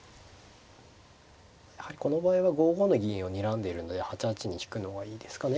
やはりこの場合は５五の銀をにらんでいるので８八に引くのがいいですかね。